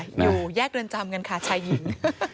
อยู่แยกเรือนจำกันค่ะชายหญิง